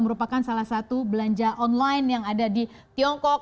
merupakan salah satu belanja online yang ada di tiongkok